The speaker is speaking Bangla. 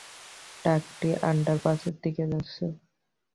ট্রাকটি আন্ডারপাসের দিকে যাচ্ছে।